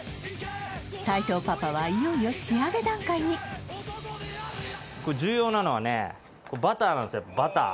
斎藤パパはいよいよ重要なのはねバターなんですよバター！